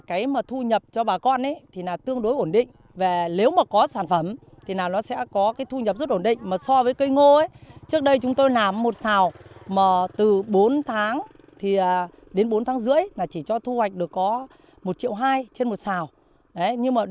cao thu nhập cho nhân dân cũng như là phát triển kinh tế xã hội của huyện giải quyết việc nào